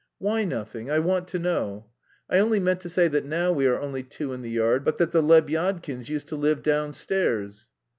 "Why nothing? I want to know." "I only meant to say that now we are only two in the yard, but that the Lebyadkins used to live downstairs...."